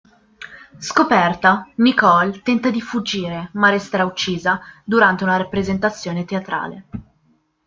Scoperta, Nicole tenta di fuggire, ma resterà uccisa durante una rappresentazione teatrale